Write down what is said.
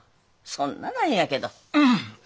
そんならええんやけど。